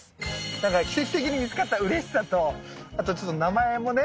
なんか奇跡的に見つかったうれしさとあとちょっと名前もね